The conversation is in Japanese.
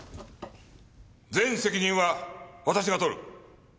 全責任は私が取る。